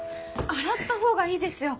洗った方がいいですよ。